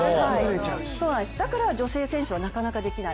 だから女性選手はなかなかできない。